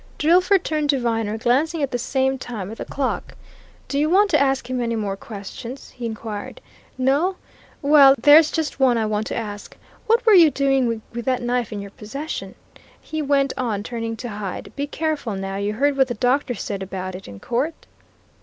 Drillford turned to Viner, glancing at the same time at the clock. "Do you want to ask him any more questions?" he inquired. "No? Well, there's just one I want to ask. What were you doing with that knife in your possession?" he went on, turning to Hyde. "Be careful, now; you heard what the doctor said about it, in court?"